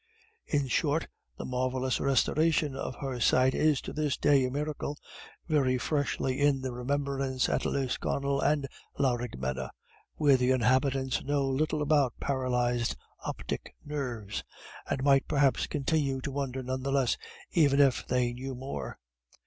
In short, the marvellous restoration of her sight is to this day a miracle, very freshly in remembrance at Lisconnel and Laraghmena, where the inhabitants know little about paralysed optic nerves, and might perhaps continue to wonder none the less even if they knew more.